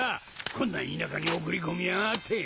こんな田舎に送り込みやがって！